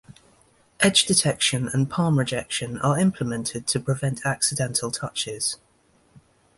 Edge detection and palm rejection are implemented to prevent accidental touches.